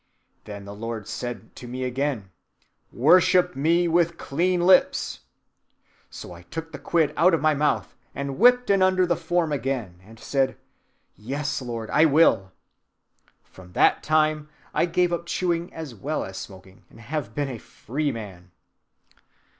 Then the Lord said to me again, 'Worship me with clean lips.' So I took the quid out of my mouth, and whipped 'en under the form again, and said, 'Yes, Lord, I will.' From that time I gave up chewing as well as smoking, and have been a free man."